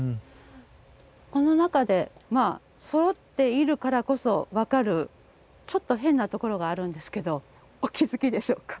この中でまあそろっているからこそ分かるちょっと変なところがあるんですけどお気付きでしょうか？